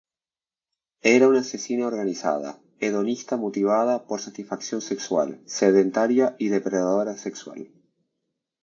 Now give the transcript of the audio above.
Era una asesina organizada, hedonista motivada por satisfacción sexual, sedentaria y depredadora sexual.